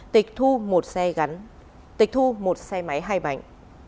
tịch thu một xe máy hai bảnh